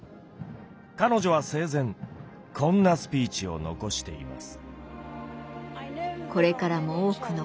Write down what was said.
彼女は生前こんなスピーチを残しています。